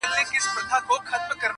هغې نجلۍ ته مور منګی نه ورکوینه!٫.